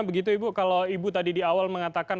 begitu ibu kalau ibu tadi di awal mengatakan